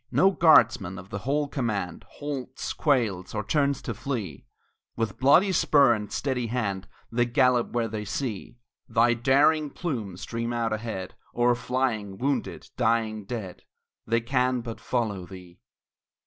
No guardsman of the whole command Halts, quails, or turns to flee; With bloody spur and steady hand They gallop where they see Thy daring plume stream out ahead O'er flying, wounded, dying, dead; They can but follow thee.